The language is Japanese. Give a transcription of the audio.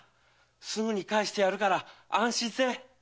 すぐに帰してやるから安心せい。